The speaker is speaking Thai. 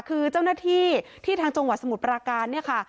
คือเจ้าหน้าที่ที่ทางจังหวัดสมุทรปราการเนี่ยค่ะ